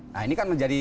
nah ini kan menjadi